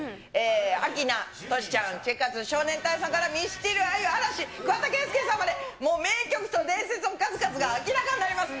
明菜、トシちゃん、チェッカーズ、少年隊さんから、ミスチル、あゆ、嵐、桑田佳祐さんまで、もう名曲と伝説の数々が明らかになります。